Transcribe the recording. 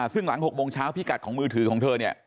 ซึ่งหลัง๖โมงเช้าพิกัดของมือถือของเธอเนี่ย